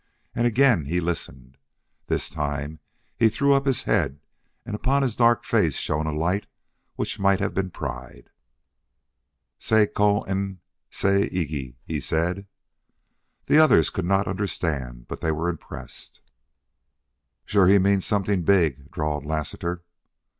And again he listened. This time he threw up his head and upon his dark face shone a light which might have been pride. "Tse ko n tsa igi," he said. The others could not understand, but they were impressed. "Shore he means somethin' big," drawled Lassiter.